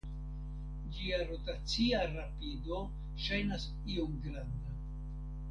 Ĝia rotacia rapido ŝajnas iom granda.